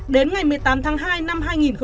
đến ngày một mươi tám tháng hai năm hai nghìn hai mươi